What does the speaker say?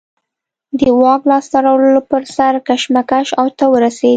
د واک لاسته راوړلو پر سر کشمکش اوج ته ورسېد